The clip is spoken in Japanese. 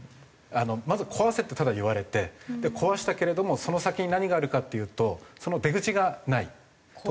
まず壊せってただ言われて壊したけれどもその先に何があるかっていうとその出口がない。